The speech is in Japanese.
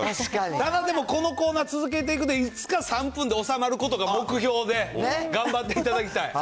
ただでもこのコーナー続けていって、いつか３分で収まることが目標で、頑張っていただきたい。